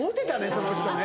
その人ね。